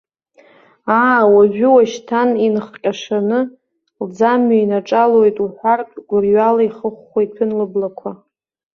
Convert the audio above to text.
Аа, уажәыуашьҭан инхҟьашаны, лӡамҩа инаҿалоит уҳәартә гәырҩала ихыхәхәо иҭәын лыблақәа.